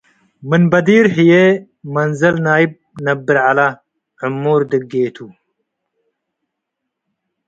ምን በዲር ህዬ መንዘል ናይብ ነብር ዐለ ዕሙር ድጌ ቱ ።